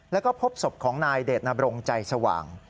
แล้วก็พบศพของนายเดชนบรงใจสว่าง